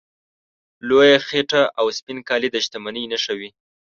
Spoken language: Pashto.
لویه خېټه او سپین کالي د شتمنۍ نښې وې.